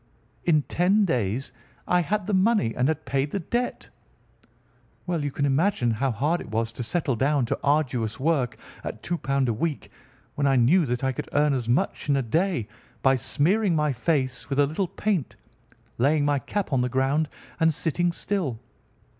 In ten days I had the money and had paid the debt. "Well, you can imagine how hard it was to settle down to arduous work at £ 2 a week when I knew that I could earn as much in a day by smearing my face with a little paint, laying my cap on the ground, and sitting still.